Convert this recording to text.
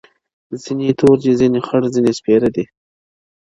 • ځینی تور دي ځینی خړ ځینی سپېره دي -